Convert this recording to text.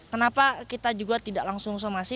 kenapa kita juga tidak langsung somasi